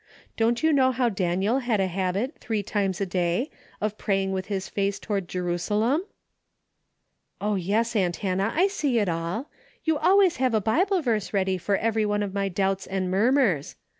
Don't you know how Daniel had a habit three times a day of praying with his face toward Jerusalem ?"" Oh yes, aunt Hannah, I see it all. You always have a Bible verse ready for every one of my doubts and murmurs.